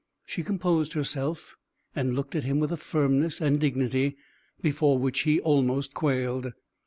She composed herself, and looked at him with a firmness and dignity, before which he almost quailed.